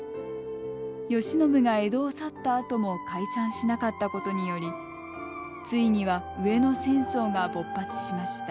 慶喜が江戸を去ったあとも解散しなかったことによりついには上野戦争が勃発しました。